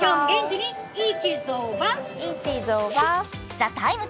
「ＴＨＥＴＩＭＥ，」